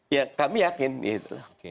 ya kami yakin gitu